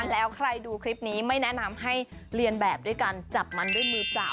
และใครดูคลิปนี้ไม่แนะนำให้เลียนแบบจับมันด้วยมือเฉย